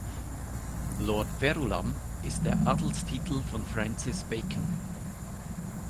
Lord Verulam ist der Adelstitel von Francis Bacon.